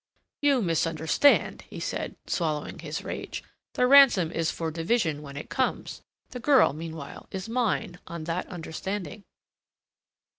"You misunderstand," he said, swallowing his rage. "The ransom is for division, when it comes. The girl, meanwhile, is mine on that understanding."